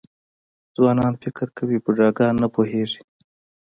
ځوانان فکر کوي بوډاګان نه پوهېږي .